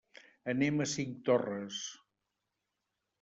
Anem a Cinctorres.